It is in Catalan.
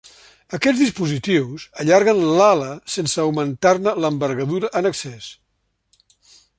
Aquests dispositius allarguen l'ala sense augmentar-ne l'envergadura en excés.